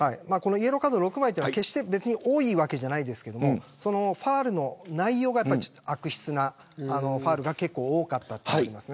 イエローカード６枚というのは決して多いわけではないですけどファウルの内容が悪質なファウルが結構多かったと思います。